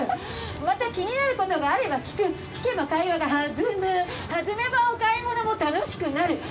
また気になることがあれば聞く、聞けば会話が弾む、弾めばお買い物も楽しくなる！